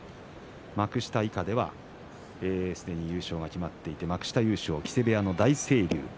幕下以下ではすでに優勝が決まっていて幕下優勝は木瀬部屋の大成龍。